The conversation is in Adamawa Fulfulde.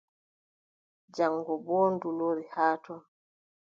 Jaŋgo boo ndu lori haa ton.